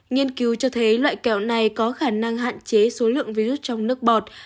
nghiên cứu cho thấy loại kẹo này có khả năng hạn chế số lượng virus trong nước bọt